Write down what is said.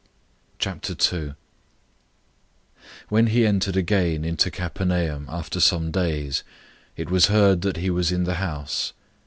002:001 When he entered again into Capernaum after some days, it was heard that he was in the house.